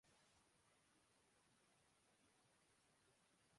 جس میں پاکستانی اردو والا شناختی کارڈ ہوتا ہے